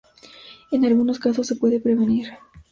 En algunos casos se puede prevenir.